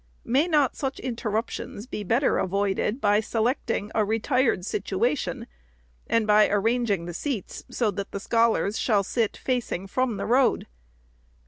May not such interrup tions be better avoided by selecting a retired situation, and by arranging the seats, so that the scholars shall sit facing from the road